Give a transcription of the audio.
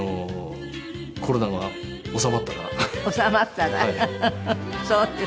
コロナが収まったら。